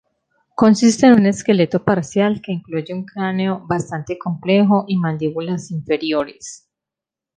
Consiste en un esqueleto parcial que incluye un cráneo bastante completo y mandíbulas inferiores.